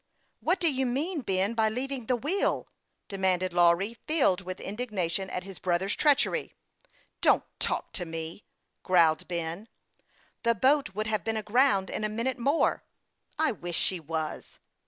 " What do you mean, Ben, by leaving the wheel ?" demanded Lawry, filled with indignation at his brother's 'treachery. " Don't talk to me," growled Ben. " The boat would have been aground in a minute more." " I wish she was."